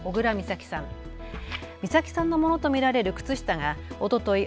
美咲さんのものと見られる靴下がおととい